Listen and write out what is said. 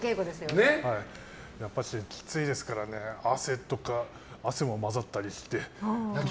やっぱしきついですからね汗も混ざったりして。